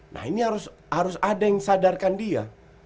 nah ini harus ada yang sadarkan dia